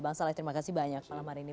bang saleh terima kasih banyak malam hari ini